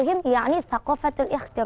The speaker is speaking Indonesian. dan antara pelajar pelajar